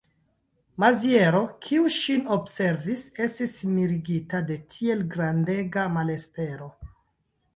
Maziero, kiu ŝin observis, estis miregita de tiel grandega malespero.